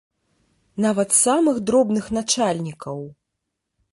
Нават самых дробных начальнікаў!